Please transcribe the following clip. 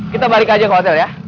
kita balik aja ke hotel ya